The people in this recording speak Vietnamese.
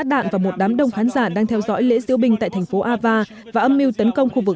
đạn và một đám đông khán giả đang theo dõi lễ diễu binh tại thành phố ava và âm mưu tấn công khu vực